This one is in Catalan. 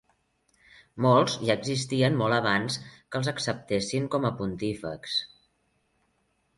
Molts ja existien molt abans que els acceptessin com a Pontífex.